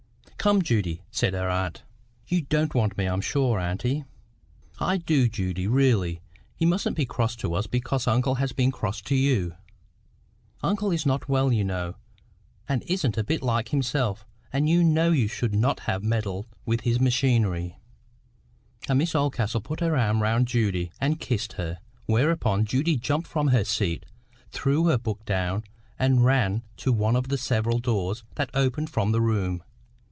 "Come, Judy," said her aunt. "You don't want me, I am sure, auntie." "I do, Judy, really. You mustn't be cross to us because uncle has been cross to you. Uncle is not well, you know, and isn't a bit like himself; and you know you should not have meddled with his machinery." And Miss Oldcastle put her arm round Judy, and kissed her. Whereupon Judy jumped from her seat, threw her book down, and ran to one of the several doors that opened from the room.